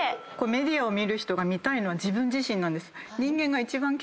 メディアを見る人が見たいのは自分自身なんです。